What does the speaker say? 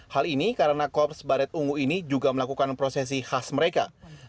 hal ini karena korps baret ungu ini juga melakukan prosesi khas mereka